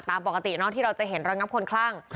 ตามปกติที่เราจะเห็นระงับคนคลั่ง